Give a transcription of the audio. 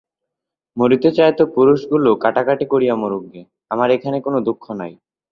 মরিতে চায় তো পুরুষগুলো কাটাকাটি করিয়া মরুক গে, আমার এখানে কোনো দুঃখ নাই।